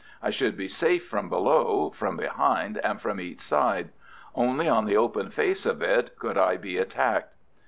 I should be safe from below, from behind, and from each side. Only on the open face of it could I be attacked.